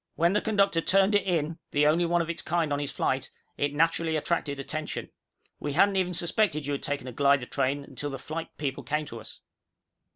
"When the conductor turned it in, the only one of its kind on his flight, it naturally attracted attention. We hadn't even suspected you had taken a glider train until the flight people came to us."